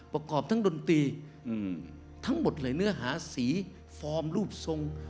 ประกอบทั้งดนตรีทั้งหมดเลยเนื้อหาสีฟอร์มรูปทรง